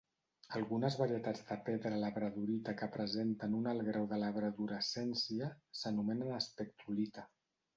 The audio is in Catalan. Algunes varietats de pedra labradorita que presenten un alt grau de labradorescència s'anomenen espectrolita.